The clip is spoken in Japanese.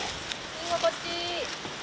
ビンゴこっち。